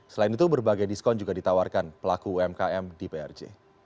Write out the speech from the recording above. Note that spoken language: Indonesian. selain itu berbagai diskon juga ditawarkan pelaku umkm di prj